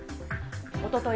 おととい